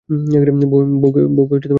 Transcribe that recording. বউকে মারধর করে।